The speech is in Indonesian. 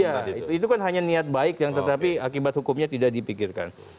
iya itu kan hanya niat baik yang tetapi akibat hukumnya tidak dipikirkan